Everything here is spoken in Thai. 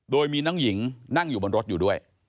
โดยมีน้องหญิงนั่งอยู่บนรถอยู่ด้วย